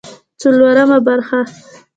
څلورمه برخه